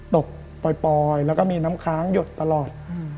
ตกปล่อยแล้วก็มีน้ำค้างหยดตลอด